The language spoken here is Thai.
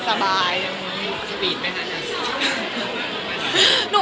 สวีทไปนะ